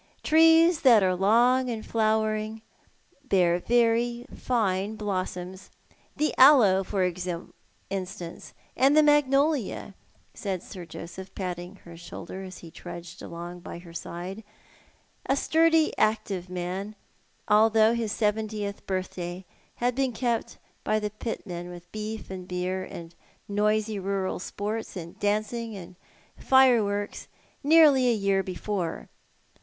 Trees that are long in flowering bear very fine blossoms. The aloe, for instance, and the magnolia," said Sir Joseph, patting her shoulder, as he trudged along by her side, a sturdy, active man, although his seventieth birthday laad been kept by the pitmen with beef and beer, and noisy rural sports, aud dancing aud fireworks, nearly a year before.